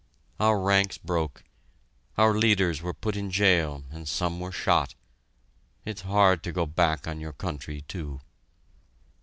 Our ranks broke; our leaders were put in jail and some were shot; it's hard to go back on your country, too.